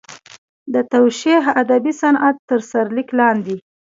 د توشیح ادبي صنعت تر سرلیک لاندې.